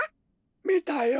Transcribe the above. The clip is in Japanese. みたよ。